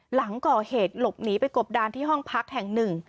หลังก่อเหตุหลบหนีไปกบดานที่ห้องพักแห่งหนึ่ง